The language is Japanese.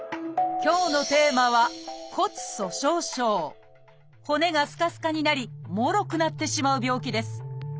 今日のテーマは骨がすかすかになりもろくなってしまう病気です。